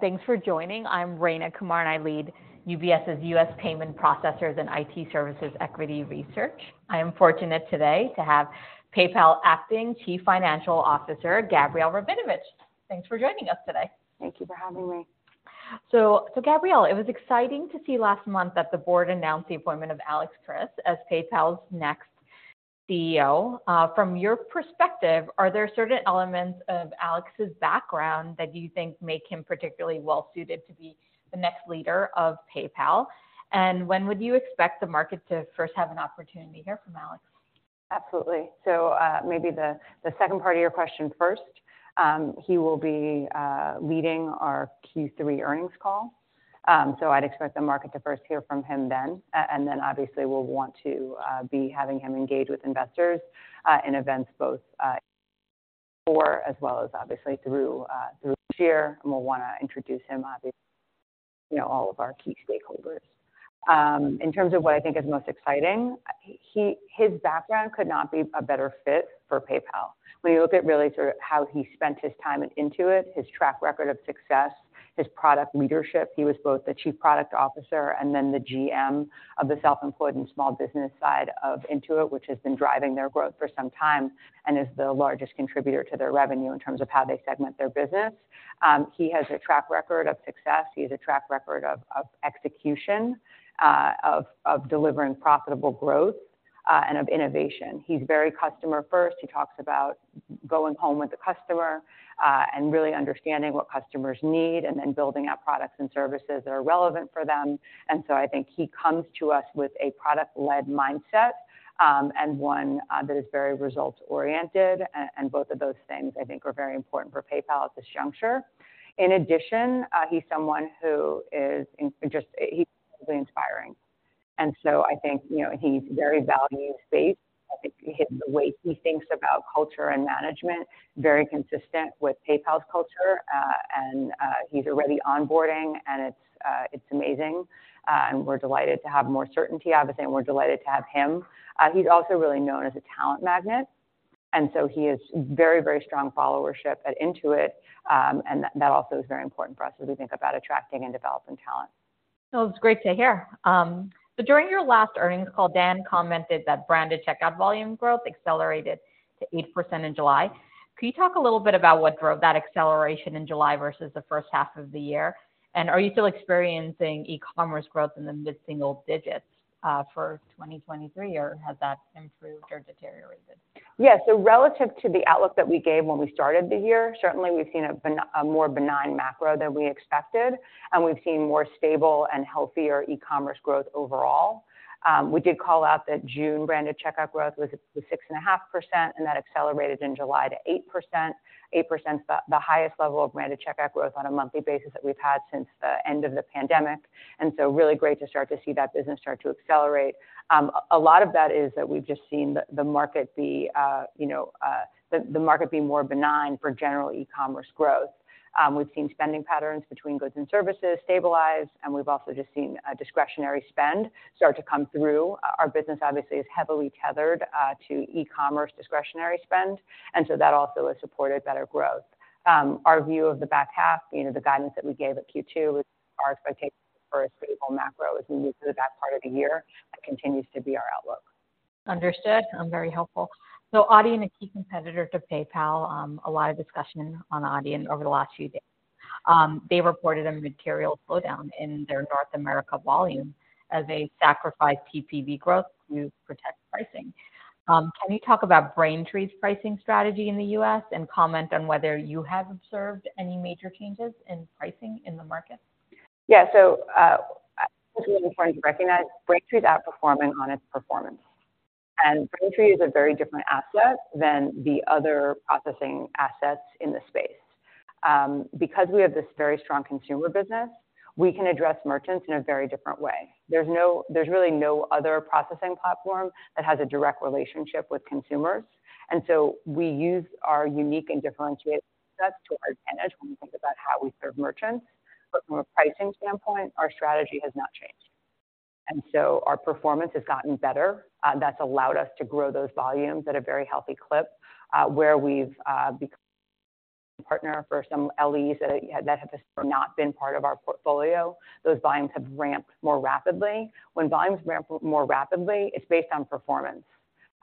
Thanks for joining. I'm Rayna Kumar, and I lead UBS's U.S. Payment Processors and IT Services Equity Research. I am fortunate today to have PayPal Acting Chief Financial Officer, Gabrielle Rabinovitch. Thanks for joining us today. Thank you for having me. So, Gabrielle, it was exciting to see last month that the board announced the appointment of Alex Chriss as PayPal's next CEO. From your perspective, are there certain elements of Alex's background that you think make him particularly well-suited to be the next leader of PayPal? And when would you expect the market to first have an opportunity to hear from Alex? Absolutely. So, maybe the second part of your question first. He will be leading our Q3 earnings call, so I'd expect the market to first hear from him then. And then obviously, we'll want to be having him engage with investors in events both for as well as obviously through this year, and we'll wanna introduce him, obviously, you know, all of our key stakeholders. In terms of what I think is most exciting, his background could not be a better fit for PayPal. When you look at really sort of how he spent his time at Intuit, his track record of success, his product leadership, he was both the Chief Product Officer and then the GM of the self-employed and small business side of Intuit, which has been driving their growth for some time and is the largest contributor to their revenue in terms of how they segment their business. He has a track record of success. He has a track record of execution, of delivering profitable growth, and of innovation. He's very customer-first. He talks about going home with the customer, and really understanding what customers need and then building out products and services that are relevant for them. So I think he comes to us with a product-led mindset, and one that is very results-oriented, and both of those things, I think, are very important for PayPal at this juncture. In addition, he's someone who is just, he's inspiring. So I think, you know, he's very values-based. I think the way he thinks about culture and management, very consistent with PayPal's culture, and he's already onboarding, and it's amazing, and we're delighted to have more certainty, obviously, and we're delighted to have him. He's also really known as a talent magnet, and so he has very, very strong followership at Intuit, and that also is very important for us as we think about attracting and developing talent. So it's great to hear. So during your last earnings call, Dan commented that branded checkout volume growth accelerated to 8% in July. Can you talk a little bit about what drove that acceleration in July versus the first half of the year? And are you still experiencing e-commerce growth in the mid-single digits for 2023, or has that improved or deteriorated? Yeah, so relative to the outlook that we gave when we started the year, certainly we've seen a more benign macro than we expected, and we've seen more stable and healthier e-commerce growth overall. We did call out that June branded checkout growth was 6.5%, and that accelerated in July to 8%. 8% is the highest level of branded checkout growth on a monthly basis that we've had since the end of the pandemic, and so really great to start to see that business start to accelerate. A lot of that is that we've just seen the market be, you know, the market be more benign for general e-commerce growth. We've seen spending patterns between goods and services stabilize, and we've also just seen a discretionary spend start to come through. Our business obviously is heavily tethered to e-commerce discretionary spend, and so that also has supported better growth. Our view of the back half, you know, the guidance that we gave at Q2 was our expectation for a stable macro as we move through that part of the year, that continues to be our outlook. Understood. Very helpful. So Adyen, a key competitor to PayPal, a lot of discussion on Adyen over the last few days. They reported a material slowdown in their North America volume as they sacrifice TPV growth to protect pricing. Can you talk about Braintree's pricing strategy in the U.S. and comment on whether you have observed any major changes in pricing in the market? Yeah, so, I think it's important to recognize Braintree is outperforming on its performance. Braintree is a very different asset than the other processing assets in the space. Because we have this very strong consumer business, we can address merchants in a very different way. There's really no other processing platform that has a direct relationship with consumers, and so we use our unique and differentiated access to our advantage when we think about how we serve merchants. But from a pricing standpoint, our strategy has not changed. So our performance has gotten better, that's allowed us to grow those volumes at a very healthy clip, where we've become a partner for some LEs that have just not been part of our portfolio. Those volumes have ramped more rapidly. When volumes ramp more rapidly, it's based on performance.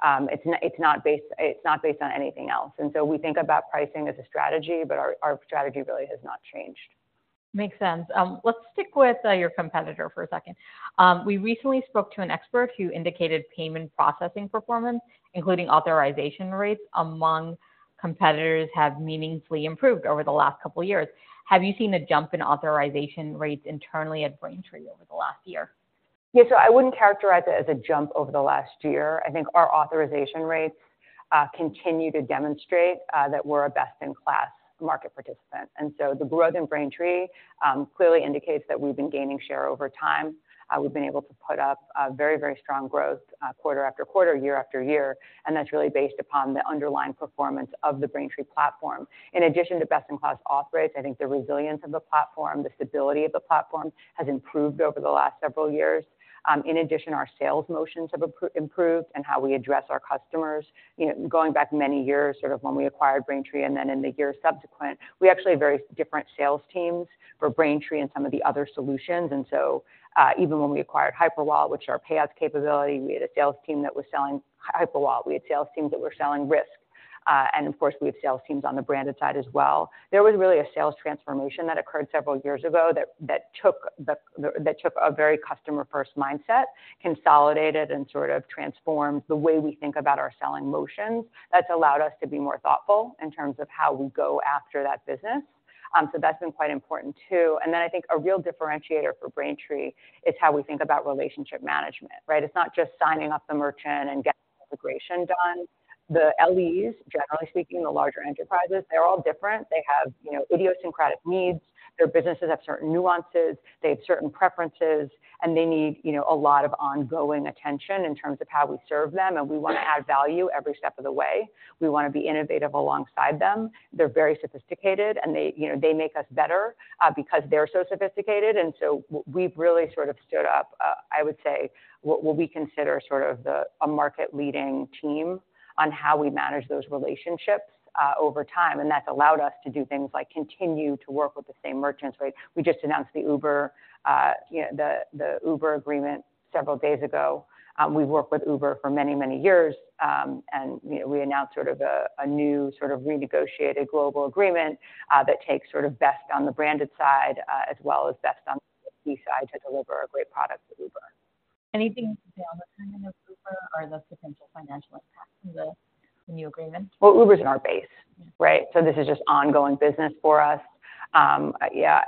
It's not based on anything else. And so we think about pricing as a strategy, but our strategy really has not changed. Makes sense. Let's stick with your competitor for a second. We recently spoke to an expert who indicated payment processing performance, including authorization rates among competitors, have meaningfully improved over the last couple of years. Have you seen a jump in authorization rates internally at Braintree over the last year? Yeah, so I wouldn't characterize it as a jump over the last year. I think our authorization rates continue to demonstrate that we're a best-in-class market participant. And so the growth in Braintree clearly indicates that we've been gaining share over time. We've been able to put up a very, very strong growth quarter-after-quarter, year-after-year, and that's really based upon the underlying performance of the Braintree platform. In addition to best-in-class auth rates, I think the resilience of the platform, the stability of the platform has improved over the last several years. In addition, our sales motions have improved, and how we address our customers. You know, going back many years, sort of when we acquired Braintree, and then in the years subsequent, we actually have very different sales teams for Braintree and some of the other solutions. And so, even when we acquired Hyperwallet, which is our payouts capability, we had a sales team that was selling Hyperwallet. We had sales teams that were selling risk, and of course, we have sales teams on the branded side as well. There was really a sales transformation that occurred several years ago that took a very customer-first mindset, consolidated and sort of transformed the way we think about our selling motions. That's allowed us to be more thoughtful in terms of how we go after that business. So that's been quite important, too. And then I think a real differentiator for Braintree is how we think about relationship management, right? It's not just signing up the merchant and getting the integration done. The LEs, generally speaking, the larger enterprises, they're all different. They have, you know, idiosyncratic needs, their businesses have certain nuances, they have certain preferences, and they need, you know, a lot of ongoing attention in terms of how we serve them, and we want to add value every step of the way. We want to be innovative alongside them. They're very sophisticated, and they, you know, they make us better because they're so sophisticated. And so we've really sort of stood up, I would say, what we consider sort of a market-leading team on how we manage those relationships over time, and that's allowed us to do things like continue to work with the same merchants, right? We just announced the Uber, you know, the Uber agreement several days ago. We've worked with Uber for many, many years, and, you know, we announced sort of a new sort of renegotiated global agreement that takes sort of best on the branded side, as well as best on side to deliver a great product to Uber. Anything to say on the timing of Uber or the potential financial impact to the new agreement? Well, Uber's in our base, right? So this is just ongoing business for us. Yeah,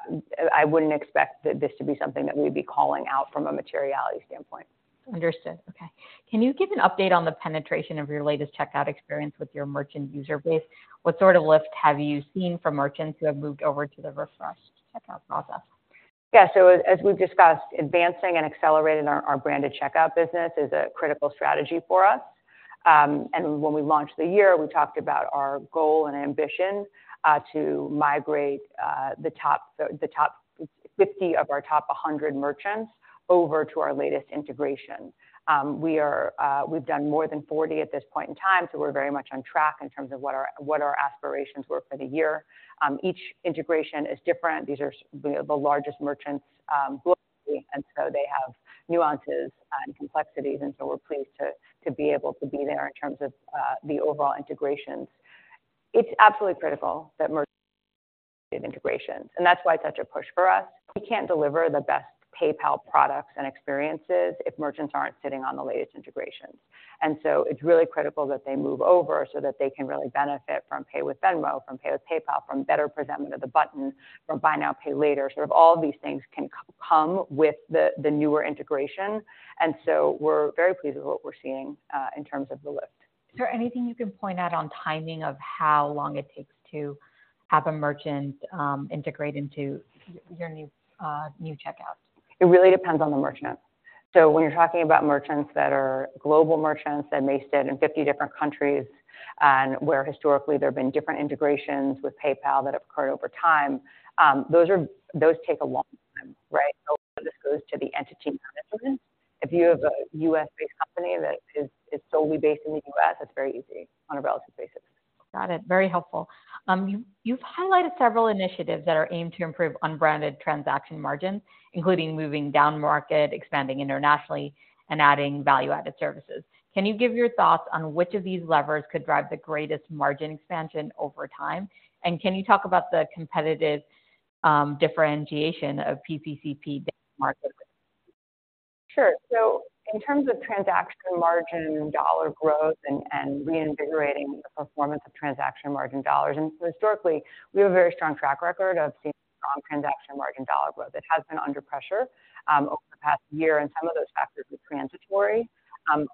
I wouldn't expect that this should be something that we'd be calling out from a materiality standpoint. Understood. Okay. Can you give an update on the penetration of your latest checkout experience with your merchant user base? What sort of lift have you seen from merchants who have moved over to the refreshed checkout process? Yeah, so as we've discussed, advancing and accelerating our branded checkout business is a critical strategy for us. And when we launched the year, we talked about our goal and ambition to migrate the top 50 of our top 100 merchants over to our latest integration. We've done more than 40 at this point in time, so we're very much on track in terms of our aspirations were for the year. Each integration is different. These are the largest merchants globally, and so they have nuances and complexities, and so we're pleased to be able to be there in terms of the overall integrations. It's absolutely critical that merchants have integrations, and that's why it's such a push for us. We can't deliver the best PayPal products and experiences if merchants aren't sitting on the latest integrations. And so it's really critical that they move over so that they can really benefit from Pay with Venmo, from Pay with PayPal, from better presenting of the button, from buy now, pay later. Sort of all these things can come with the newer integration, and so we're very pleased with what we're seeing in terms of the lift. Is there anything you can point out on timing of how long it takes to have a merchant integrate into your new checkout? It really depends on the merchant. So when you're talking about merchants that are global merchants, and they sit in 50 different countries, and where historically there have been different integrations with PayPal that have occurred over time, those are, those take a long time, right? A lot of this goes to the entity management. If you have a U.S.-based company that is solely based in the U.S., that's very easy on a relative basis. Got it. Very helpful. You've, you've highlighted several initiatives that are aimed to improve unbranded transaction margins, including moving down market, expanding internationally, and adding value-added services. Can you give your thoughts on which of these levers could drive the greatest margin expansion over time? And can you talk about the competitive differentiation of PPCP market? Sure. So in terms of transaction margin, dollar growth, and reinvigorating the performance of transaction margin dollars, and historically, we have a very strong track record of seeing strong transaction margin dollar growth. It has been under pressure over the past year, and some of those factors were transitory.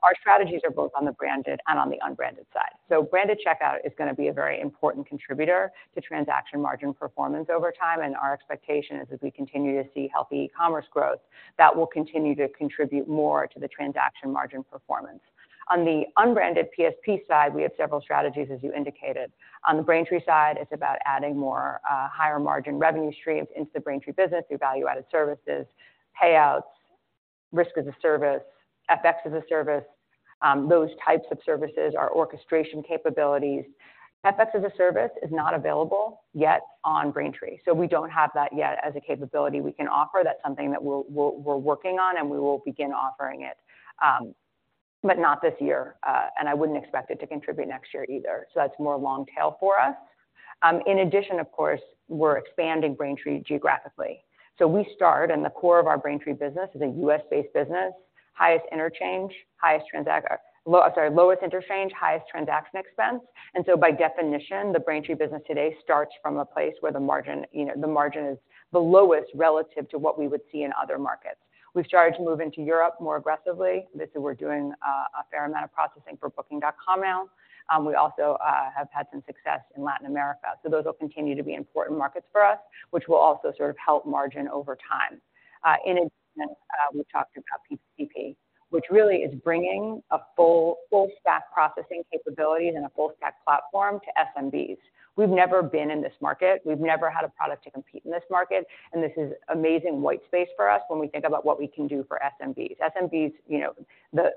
Our strategies are both on the branded and on the unbranded side. So branded checkout is going to be a very important contributor to transaction margin performance over time, and our expectation is as we continue to see healthy e-commerce growth, that will continue to contribute more to the transaction margin performance. On the unbranded PSP side, we have several strategies, as you indicated. On the Braintree side, it's about adding more higher-margin revenue streams into the Braintree business through value-added services, payouts, risk as a service, FX as a service. Those types of services, our orchestration capabilities. FX as a service is not available yet on Braintree, so we don't have that yet as a capability we can offer. That's something that we're working on, and we will begin offering it, but not this year, and I wouldn't expect it to contribute next year either. So that's more long tail for us. In addition, of course, we're expanding Braintree geographically. So we start, and the core of our Braintree business is a U.S.-based business.... highest interchange, low, I'm sorry, lowest interchange, highest transaction expense. And so by definition, the Braintree business today starts from a place where the margin, you know, the margin is the lowest relative to what we would see in other markets. We've started to move into Europe more aggressively. This is what we're doing a fair amount of processing for Booking.com now. We also have had some success in Latin America, so those will continue to be important markets for us, which will also sort of help margin over time. In addition, we've talked about PPCP, which really is bringing a full full stack processing capabilities and a full stack platform to SMBs. We've never been in this market. We've never had a product to compete in this market, and this is amazing white space for us when we think about what we can do for SMBs. SMBs, you know,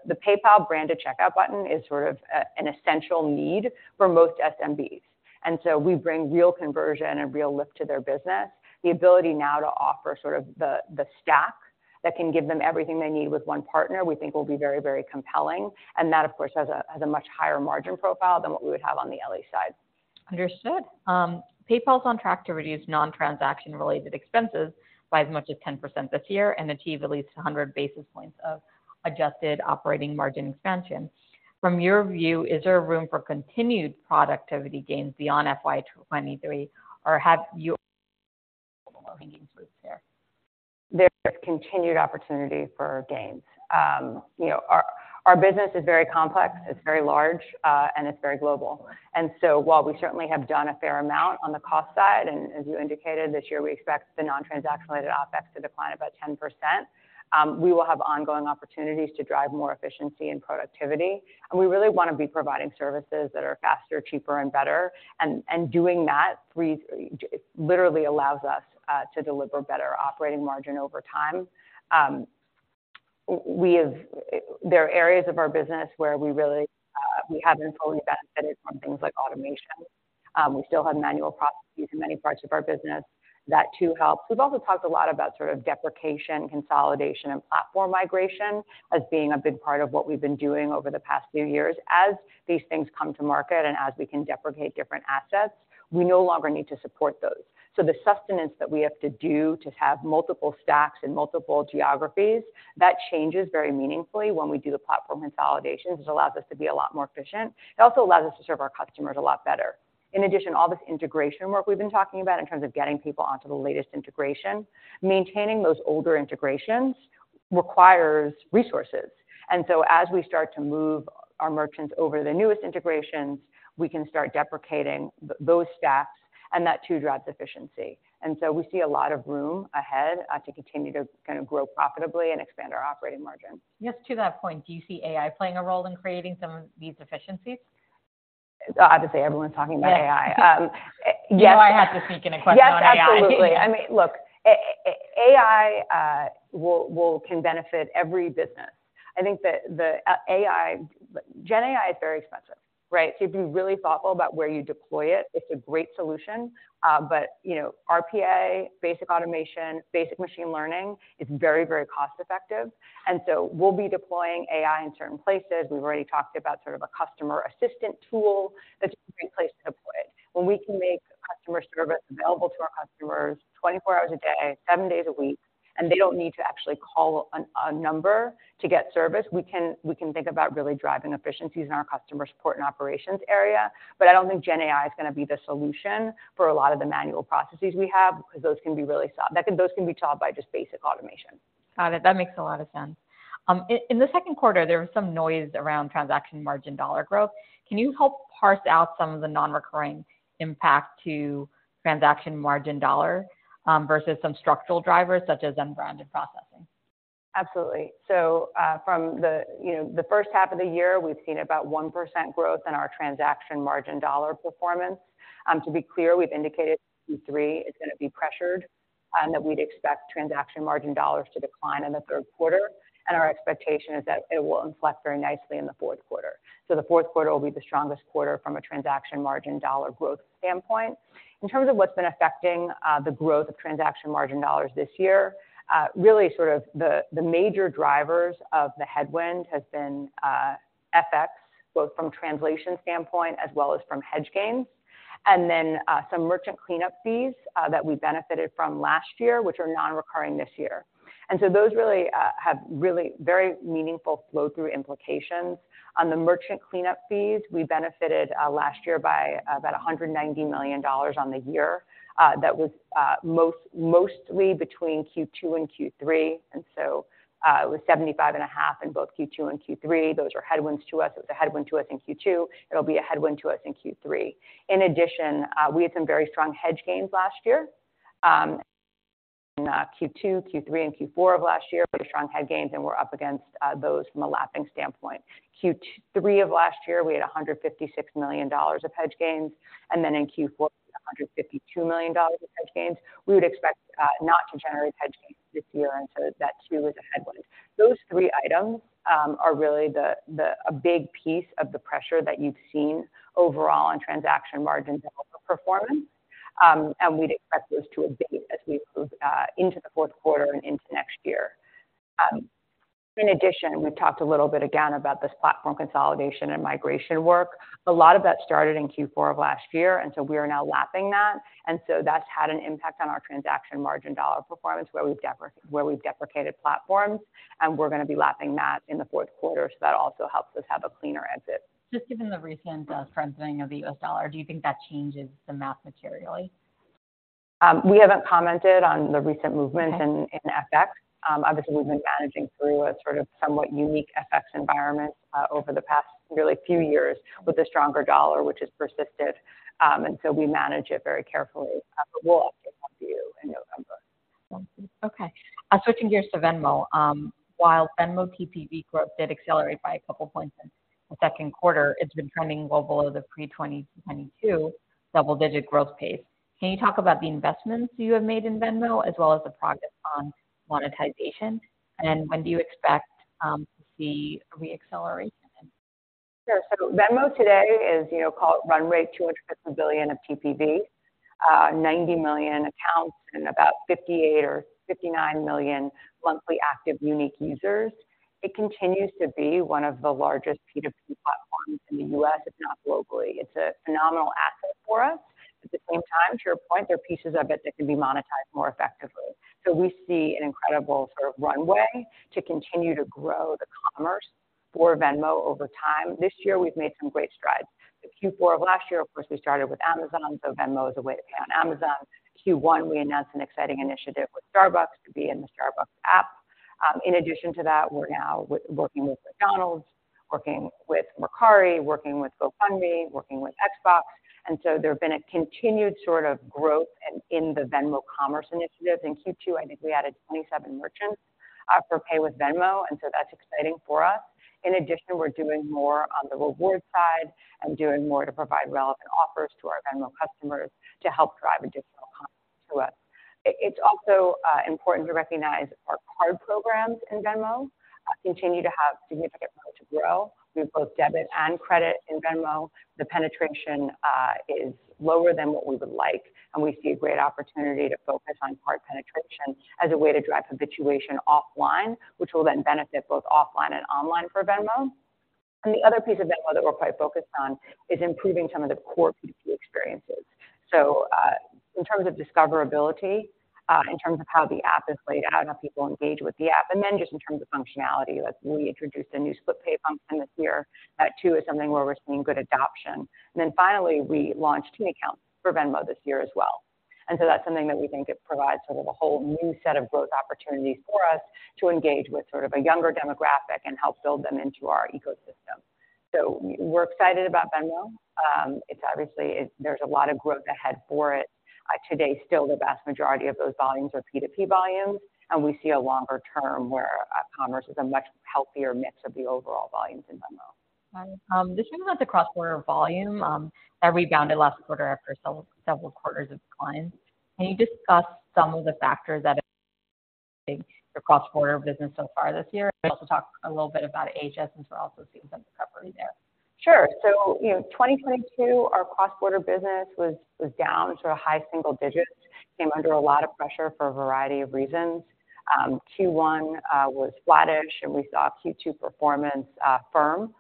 the PayPal-branded checkout button is sort of an essential need for most SMBs, and so we bring real conversion and real lift to their business. The ability now to offer sort of the stack that can give them everything they need with one partner, we think will be very, very compelling, and that, of course, has a much higher margin profile than what we would have on the LE side. Understood. PayPal is on track to reduce non-transaction-related expenses by as much as 10% this year and achieve at least 100 basis points of adjusted operating margin expansion. From your view, is there room for continued productivity gains beyond FY 2023, or have you there? There's continued opportunity for gains. You know, our business is very complex, it's very large, and it's very global. And so while we certainly have done a fair amount on the cost side, and as you indicated, this year, we expect the non-transactional related OpEx to decline about 10%. We will have ongoing opportunities to drive more efficiency and productivity, and we really want to be providing services that are faster, cheaper, and better. And doing that it literally allows us to deliver better operating margin over time. We have, there are areas of our business where we really, we haven't fully benefited from things like automation. We still have manual processes in many parts of our business. That too helps. We've also talked a lot about sort of deprecation, consolidation, and platform migration as being a big part of what we've been doing over the past few years. As these things come to market and as we can deprecate different assets, we no longer need to support those. So the sustenance that we have to do to have multiple stacks in multiple geographies, that changes very meaningfully when we do the platform consolidations. It allows us to be a lot more efficient. It also allows us to serve our customers a lot better. In addition, all this integration work we've been talking about in terms of getting people onto the latest integration, maintaining those older integrations requires resources. And so as we start to move our merchants over the newest integrations, we can start deprecating those stacks, and that too, drives efficiency. We see a lot of room ahead, to continue to kind of grow profitably and expand our operating margin. Yes, to that point, do you see AI playing a role in creating some of these efficiencies? Obviously, everyone's talking about AI. Yes. You know I have to sneak in a question on AI. Yes, absolutely. I mean, look, AI can benefit every business. I think that the AI, Gen AI is very expensive, right? So you have to be really thoughtful about where you deploy it. It's a great solution, but, you know, RPA, basic automation, basic machine learning is very, very cost-effective. And so we'll be deploying AI in certain places. We've already talked about sort of a customer assistant tool. That's a great place to deploy it. When we can make customer service available to our customers 24 hours a day, seven days a week, and they don't need to actually call a number to get service, we can think about really driving efficiencies in our customer support and operations area. But I don't think Gen AI is going to be the solution for a lot of the manual processes we have, because those can be really solved by just basic automation. Got it. That makes a lot of sense. In the second quarter, there was some noise around transaction margin dollar growth. Can you help parse out some of the non-recurring impact to transaction margin dollar versus some structural drivers such as unbranded processing? Absolutely. So, from the, you know, the first half of the year, we've seen about 1% growth in our transaction margin dollar performance. To be clear, we've indicated Q3 is going to be pressured, and that we'd expect transaction margin dollars to decline in the third quarter, and our expectation is that it will inflect very nicely in the fourth quarter. So the fourth quarter will be the strongest quarter from a transaction margin dollar growth standpoint. In terms of what's been affecting, the growth of transaction margin dollars this year, really sort of the, the major drivers of the headwind has been, FX, both from translation standpoint as well as from hedge gains, and then, some merchant cleanup fees, that we benefited from last year, which are non-recurring this year. And so those really, have really very meaningful flow-through implications. On the merchant cleanup fees, we benefited last year by about $190 million on the year. That was mostly between Q2 and Q3, and so it was $75.5 million in both Q2 and Q3. Those were headwinds to us. It was a headwind to us in Q2, it'll be a headwind to us in Q3. In addition, we had some very strong hedge gains last year in Q2, Q3, and Q4 of last year, pretty strong hedge gains, and we're up against those from a lapping standpoint. Q3 of last year, we had $156 million of hedge gains, and then in Q4, $152 million of hedge gains. We would expect not to generate hedge gains this year, and so that too is a headwind. Those three items are really a big piece of the pressure that you've seen overall on transaction margins and overall performance. We'd expect those to abate as we move into the fourth quarter and into next year. In addition, we've talked a little bit again about this platform consolidation and migration work. A lot of that started in Q4 of last year, and so we are now lapping that. So that's had an impact on our transaction margin dollar performance, where we've deprecated platforms, and we're going to be lapping that in the fourth quarter, so that also helps us have a cleaner exit. Just given the recent strengthening of the U.S. dollar, do you think that changes the math materially? We haven't commented on the recent movement in, in FX. Obviously, we've been managing through a sort of somewhat unique FX environment over the past really few years with a stronger dollar, which has persisted. And so we manage it very carefully, but we'll update you in November. Okay. Switching gears to Venmo. While Venmo TPV growth did accelerate by a couple of points in the second quarter, it's been trending well below the pre-2022 double-digit growth pace. Can you talk about the investments you have made in Venmo, as well as the progress on monetization? And when do you expect to see a reacceleration? Sure. So Venmo today is, you know, call it run rate, $250 billion of TPV, 90 million accounts and about 58 million or 59 million monthly active unique users. It continues to be one of the largest P2P platforms in the U.S., if not globally. It's a phenomenal asset for us. At the same time, to your point, there are pieces of it that can be monetized more effectively. So we see an incredible sort of runway to continue to grow the commerce for Venmo over time. This year, we've made some great strides. In Q4 of last year, of course, we started with Amazon, so Venmo is a way to pay on Amazon. Q1, we announced an exciting initiative with Starbucks to be in the Starbucks app. In addition to that, we're now working with McDonald's, working with Mercari, working with GoFundMe, working with Xbox. There have been a continued sort of growth in the Venmo commerce initiatives. In Q2, I think we added 27 merchants for Pay with Venmo, and so that's exciting for us. In addition, we're doing more on the reward side and doing more to provide relevant offers to our Venmo customers to help drive additional commerce to us. It's also important to recognize our card programs in Venmo continue to have significant room to grow. We have both debit and credit in Venmo. The penetration is lower than what we would like, and we see a great opportunity to focus on card penetration as a way to drive habituation offline, which will then benefit both offline and online for Venmo. The other piece of Venmo that we're quite focused on is improving some of the core P2P experiences. So, in terms of discoverability, in terms of how the app is laid, how people engage with the app, and then just in terms of functionality, like we introduced a new split pay function this year. That too, is something where we're seeing good adoption. And then finally, we launched teen accounts for Venmo this year as well. And so that's something that we think it provides sort of a whole new set of growth opportunities for us to engage with sort of a younger demographic and help build them into our ecosystem. So we're excited about Venmo. It's obviously, there's a lot of growth ahead for it. Today, still, the vast majority of those volumes are P2P volumes, and we see a longer term where, commerce is a much healthier mix of the overall volumes in Venmo. Just talking about the cross-border volume, that rebounded last quarter after several, several quarters of decline. Can you discuss some of the factors that your cross-border business so far this year, and also talk a little bit about HS, since we're also seeing some recovery there? Sure. So you know, 2022, our cross-border business was down to a high single digits, came under a lot of pressure for a variety of reasons. Q1 was flattish, and we saw Q2 performance firm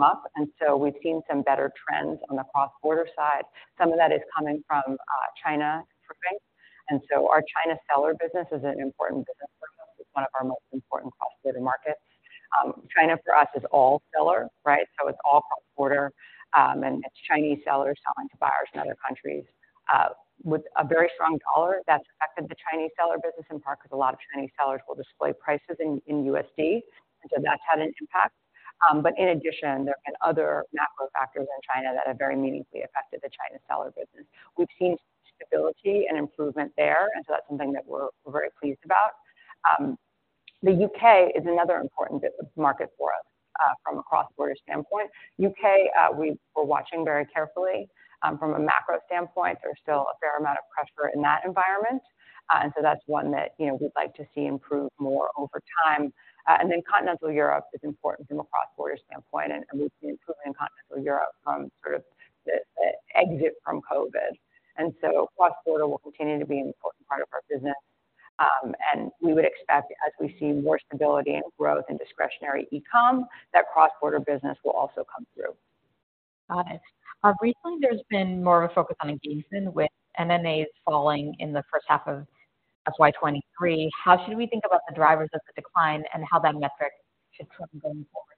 up, and so we've seen some better trends on the cross-border side. Some of that is coming from China, I think. And so our China seller business is an important business for us. It's one of our most important cross-border markets. China, for us, is all seller, right? So it's all cross-border, and it's Chinese sellers selling to buyers in other countries. With a very strong US dollar, that's affected the Chinese seller business in part because a lot of Chinese sellers will display prices in USD, and so that's had an impact. But in addition, there have been other macro factors in China that have very meaningfully affected the China seller business. We've seen stability and improvement there, and so that's something that we're very pleased about. The U.K. is another important market for us, from a cross-border standpoint. U.K., we were watching very carefully. From a macro standpoint, there's still a fair amount of pressure in that environment, and so that's one that, you know, we'd like to see improve more over time. And then Continental Europe is important from a cross-border standpoint, and we've seen improvement in Continental Europe from the exit from COVID. And so cross-border will continue to be an important part of our business, and we would expect, as we see more stability and growth in discretionary e-com, that cross-border business will also come through. Got it. Recently, there's been more of a focus on engagement, with NNAs falling in the first half of FY 2023. How should we think about the drivers of the decline and how that metric should turn going forward?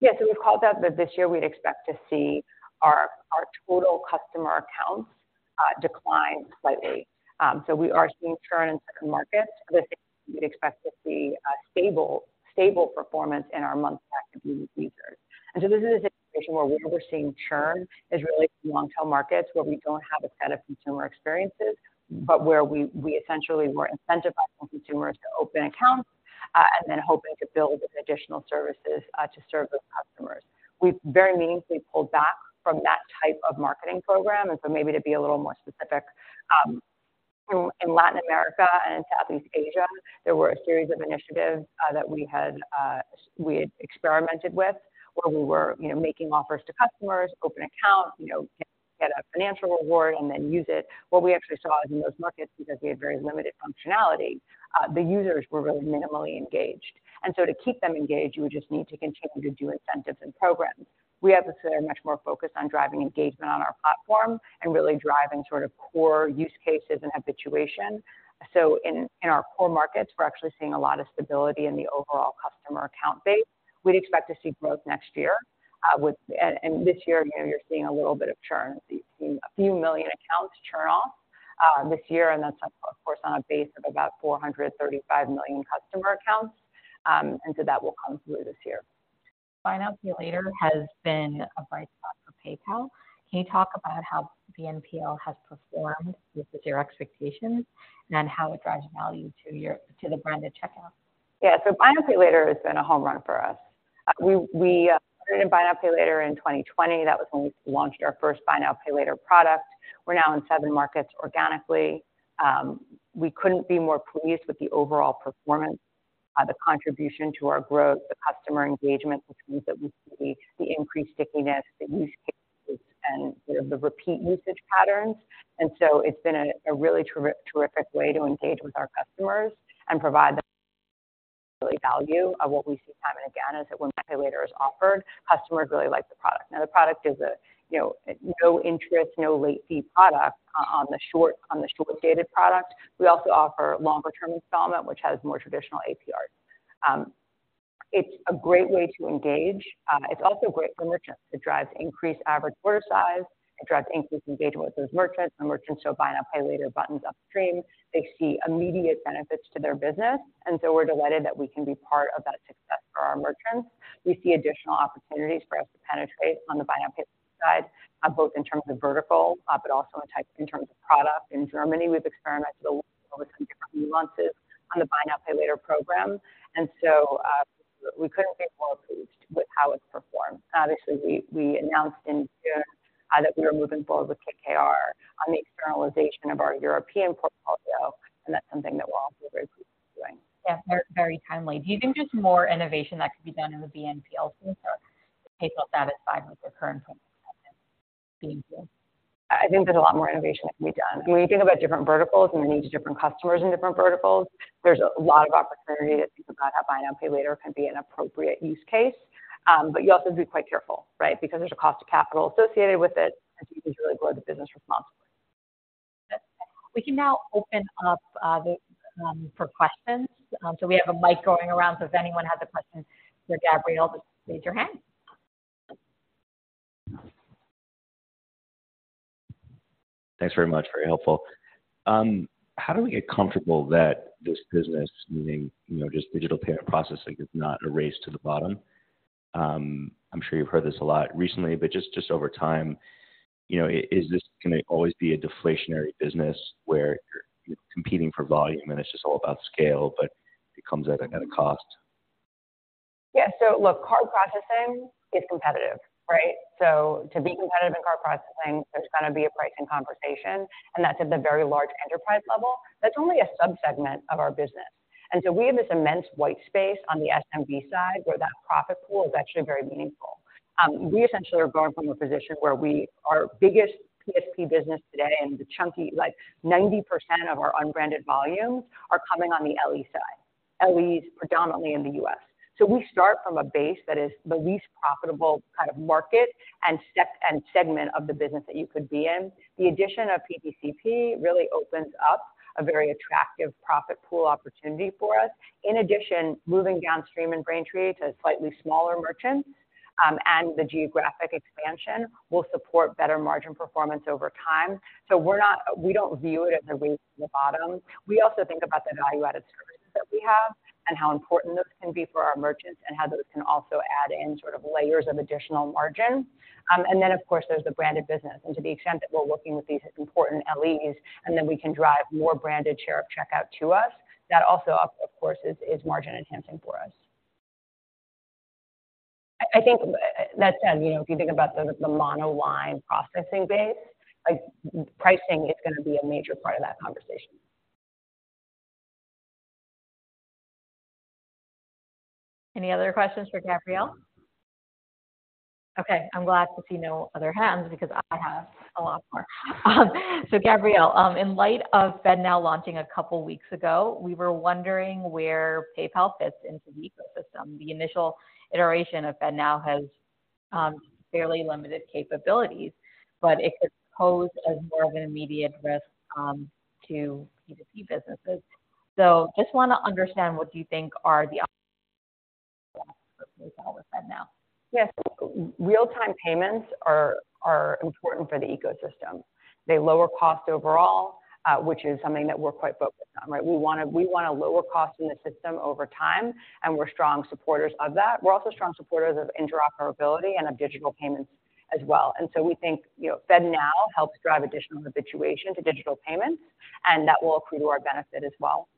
Yeah, so we've called out that this year we'd expect to see our total customer accounts decline slightly. So we are seeing churn in certain markets. We'd expect to see a stable performance in our monthly active users. And so this is a situation where we're seeing churn is really long-tail markets, where we don't have a set of consumer experiences, but where we essentially were incentivizing consumers to open accounts, and then hoping to build with additional services to serve those customers. We've very meaningfully pulled back from that type of marketing program, and so maybe to be a little more specific. In Latin America and Southeast Asia, there were a series of initiatives, that we had, we had experimented with, where we were, you know, making offers to customers, open account, you know, get a financial reward and then use it. What we actually saw in those markets, because we had very limited functionality, the users were really minimally engaged. And so to keep them engaged, you would just need to continue to do incentives and programs. We have to say we're much more focused on driving engagement on our platform and really driving sort of core use cases and habituation. So in our core markets, we're actually seeing a lot of stability in the overall customer account base. We'd expect to see growth next year, with and this year, you know, you're seeing a little bit of churn. We've seen a few million accounts churn off this year, and that's of course on a base of about 435 million customer accounts, and so that will come through this year. Buy Now Pay Later has been a bright spot for PayPal. Can you talk about how BNPL has performed versus your expectations and how it drives value to the branded checkout? Yeah, so Buy Now Pay Later has been a home run for us. We started in Buy Now Pay Later in 2020. That was when we launched our first Buy Now Pay Later product. We're now in seven markets organically. We couldn't be more pleased with the overall performance, the contribution to our growth, the customer engagement, which means that we see the increased stickiness, the use cases, and the repeat usage patterns. And so it's been a really terrific way to engage with our customers and provide them value. What we see time and again is that when pay later is offered, customers really like the product. Now, the product is a, you know, no interest, no late fee product on the short-dated product. We also offer longer-term installment, which has more traditional APR. It's a great way to engage, it's also great for merchants. It drives increased average order size, it drives increased engagement with those merchants, and merchants who Buy Now Pay Later buttons upstream. They see immediate benefits to their business, and so we're delighted that we can be part of that success for our merchants. We see additional opportunities for us to penetrate on the Buy Now Pay Later side, both in terms of vertical, but also in terms of product. In Germany, we've experimented with some different nuances on the Buy Now Pay Later program, and so, we couldn't be more pleased with how it's performed. Obviously, we announced in June that we are moving forward with KKR on the externalization of our European portfolio, and that's something that we're also very pleased with doing. Yeah, very timely. Do you think there's more innovation that could be done in the BNPL space, or is PayPal satisfied with the current point of being here? I think there's a lot more innovation that can be done. When you think about different verticals and the needs of different customers in different verticals, there's a lot of opportunity that Buy Now Pay Later can be an appropriate use case. But you also have to be quite careful, right? Because there's a cost of capital associated with it, and so you need to really grow the business responsibly. We can now open up the for questions. So we have a mic going around, so if anyone has a question for Gabrielle, just raise your hand. Thanks very much. Very helpful. How do we get comfortable that this business, meaning, you know, just digital payment processing, is not a race to the bottom? I'm sure you've heard this a lot recently, but just over time, you know, is this gonna always be a deflationary business where you're competing for volume, and it's just all about scale, but it comes at a cost? Yeah. So look, card processing is competitive, right? So to be competitive in card processing, there's gonna be a pricing conversation, and that's at the very large enterprise level. That's only a subsegment of our business. And so we have this immense white space on the SMB side, where that profit pool is actually very meaningful. We essentially are going from a position where our biggest PSP business today, and the chunky, like 90% of our unbranded volumes are coming on the LE side, LEs predominantly in the U.S. So we start from a base that is the least profitable kind of market and segment of the business that you could be in. The addition of PPCP really opens up a very attractive profit pool opportunity for us. In addition, moving downstream in Braintree to slightly smaller merchants, and the geographic expansion will support better margin performance over time. So we're not. We don't view it as a race to the bottom. We also think about the value-added services that we have and how important those can be for our merchants, and how those can also add in sort of layers of additional margin. And then, of course, there's the branded business. And to the extent that we're working with these important LEs, and then we can drive more branded share of checkout to us, that also, of course, is margin enhancing for us. I think that said, you know, if you think about the monoline processing base, like, pricing is gonna be a major part of that conversation. Any other questions for Gabrielle? Okay, I'm glad to see no other hands because I have a lot more. So Gabrielle, in light of FedNow launching a couple of weeks ago, we were wondering where PayPal fits into the ecosystem. The initial iteration of FedNow has fairly limited capabilities, but it could pose as more of an immediate risk to P2P businesses. So just want to understand, what do you think are the for PayPal with FedNow? Yes. Real-time payments are important for the ecosystem. They lower cost overall, which is something that we're quite focused on, right? We wanna, we want to lower cost in the system over time, and we're strong supporters of that. We're also strong supporters of interoperability and of digital payments as well. And so we think, you know, FedNow helps drive additional habituation to digital payments, and that will accrue to our benefit as well.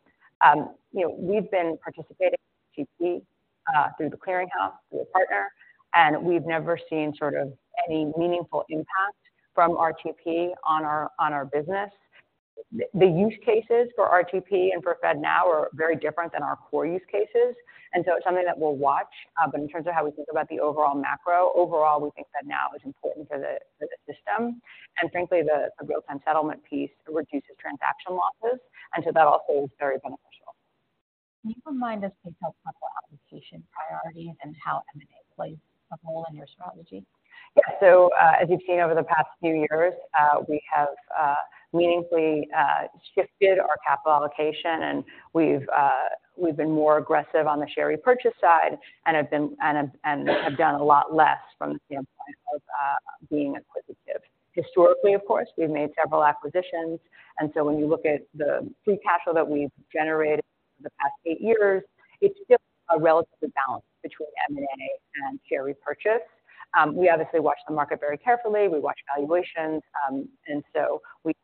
You know, we've been participating through the Clearing House, through a partner, and we've never seen sort of any meaningful impact from RTP on our business. The use cases for RTP and for FedNow are very different than our core use cases, and so it's something that we'll watch. But in terms of how we think about the overall macro, overall, we think FedNow is important for the system. And frankly, the real-time settlement piece reduces transaction losses, and so that also is very beneficial. Can you remind us, please, about the allocation priorities and how M&A plays a role in your strategy? Yeah. So, as you've seen over the past few years, we have meaningfully shifted our capital allocation, and we've been more aggressive on the share repurchase side and have been, and have done a lot less from the standpoint of being acquisitive. Historically, of course, we've made several acquisitions, and so when you look at the free cash flow that we've generated for the past eight years, it's just a relative balance between M&A and share repurchase. We obviously watch the market very carefully. We watch valuations, and so we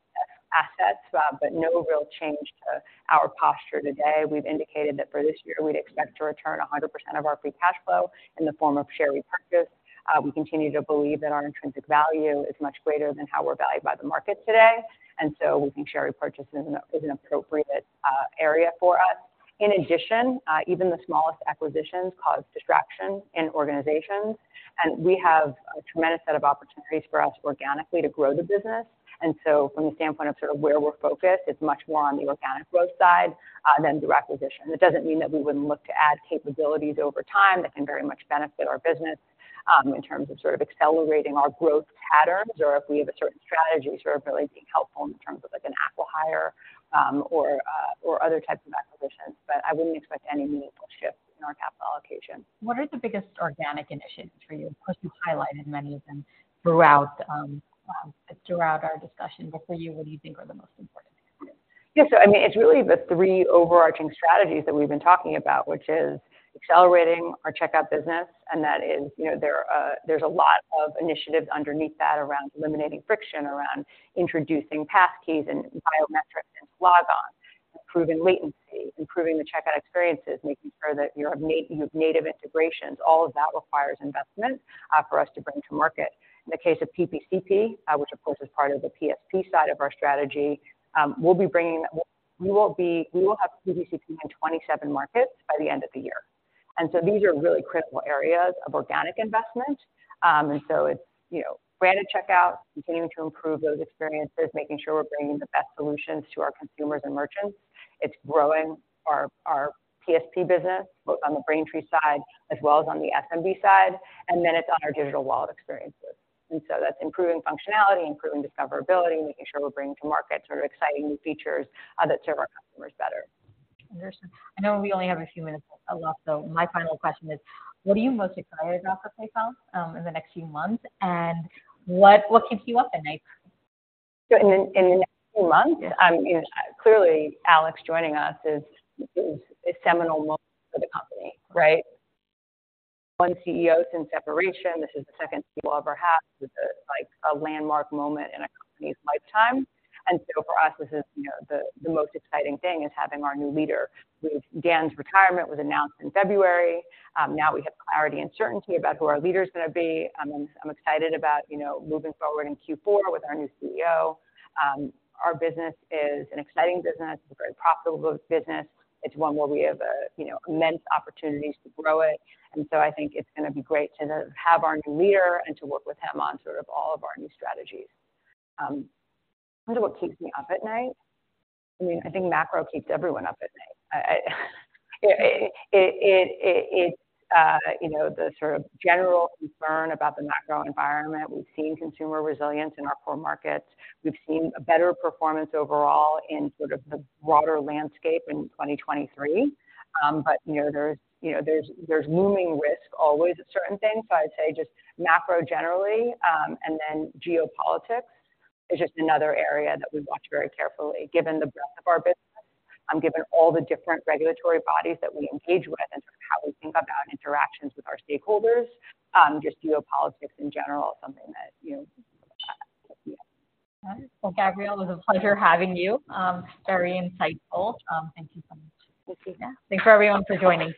assets, but no real change to our posture today. We've indicated that for this year, we'd expect to return 100% of our free cash flow in the form of share repurchase. We continue to believe that our intrinsic value is much greater than how we're valued by the market today, and so we think share repurchase is an appropriate area for us. In addition, even the smallest acquisitions cause distraction in organizations, and we have a tremendous set of opportunities for us organically to grow the business. And so from the standpoint of sort of where we're focused, it's much more on the organic growth side than the acquisition. It doesn't mean that we wouldn't look to add capabilities over time that can very much benefit our business, in terms of sort of accelerating our growth patterns or if we have a certain strategy, sort of really being helpful in terms of, like, an acquihire, or other types of acquisitions. But I wouldn't expect any meaningful shift in our capital allocation. What are the biggest organic initiatives for you? Of course, you've highlighted many of them throughout our discussion, but for you, what do you think are the most important? Yeah, so I mean, it's really the three overarching strategies that we've been talking about, which is accelerating our checkout business, and that is, you know, there, there's a lot of initiatives underneath that around eliminating friction, around introducing passkeys and biometrics and logon, improving latency, improving the checkout experiences, making sure that you have native integrations. All of that requires investment for us to bring to market. In the case of PPCP, which of course is part of the PSP side of our strategy, we will have PPCP in 27 markets by the end of the year. And so these are really critical areas of organic investment. And so it's, you know, branded checkout, continuing to improve those experiences, making sure we're bringing the best solutions to our consumers and merchants. It's growing our PSP business, both on the Braintree side as well as on the SMB side, and then it's on our digital wallet experiences. And so that's improving functionality, improving discoverability, making sure we're bringing to market sort of exciting new features that serve our customers better. I know we only have a few minutes left, so my final question is: what are you most excited about for PayPal, in the next few months, and what keeps you up at night? So in the next few months? Yeah. You know, clearly, Alex joining us is a seminal moment for the company, right? One CEO since separation, this is the second he will ever have. This is like a landmark moment in a company's lifetime. And so for us, this is, you know, the most exciting thing, is having our new leader. Dan's retirement was announced in February. Now we have clarity and certainty about who our leader is gonna be. I'm excited about, you know, moving forward in Q4 with our new CEO. Our business is an exciting business, a very profitable business. It's one where we have, you know, immense opportunities to grow it. And so I think it's gonna be great to have our new leader and to work with him on sort of all of our new strategies. What keeps me up at night? I mean, I think macro keeps everyone up at night. you know, the sort of general concern about the macro environment. We've seen consumer resilience in our core markets. We've seen a better performance overall in sort of the broader landscape in 2023. but, you know, there's, you know, there's, there's looming risk always with certain things. So I'd say just macro generally, and then geopolitics is just another area that we watch very carefully, given the breadth of our business, given all the different regulatory bodies that we engage with and sort of how we think about interactions with our stakeholders. just geopolitics in general, is something that, you know, Well, Gabrielle, it was a pleasure having you. Very insightful. Thank you so much. Thanks for everyone for joining.